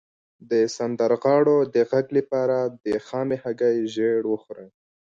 د سندرغاړو د غږ لپاره د خامې هګۍ ژیړ وخورئ